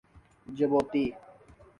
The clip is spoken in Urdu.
جبوتی